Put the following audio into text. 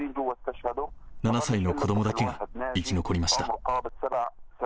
７歳の子どもだけが生き残りました。